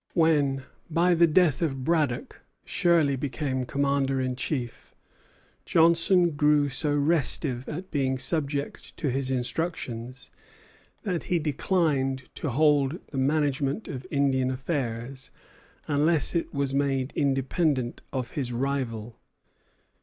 When, by the death of Braddock, Shirley became commander in chief, Johnson grew so restive at being subject to his instructions that he declined to hold the management of Indian affairs unless it was made independent of his rival.